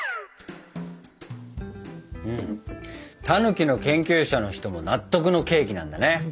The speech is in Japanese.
たぬきの研究者の人も納得のケーキなんだね！